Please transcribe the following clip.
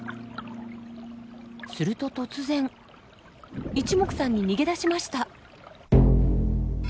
すると突然いちもくさんに逃げ出しました。